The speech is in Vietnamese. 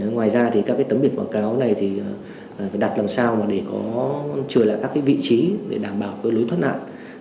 ngoài ra các tấm biển quảng cáo này phải đặt làm sao để trừ lại các vị trí để đảm bảo lối thoát nạn